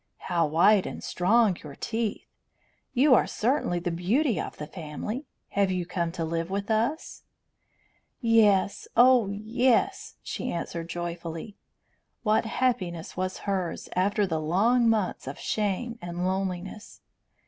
How white and strong your teeth! You are certainly the beauty of the family. Have you come to live with us?" "Yes, oh yes," she answered joyfully. What happiness was hers, after the long months of shame and loneliness!